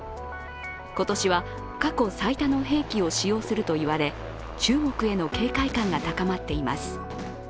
今年は、過去最多の兵器を使用すると言われ中国への警戒感が高まっています。